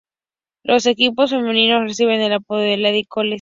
Los equipos femeninos reciben el apodo de "Lady Colonels".